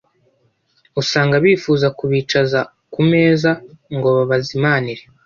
usanga bifuza kubicaza ku meza ngo babazimanire